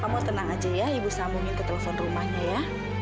kamu tenang aja ya ibu sambungin ke telepon rumahnya ya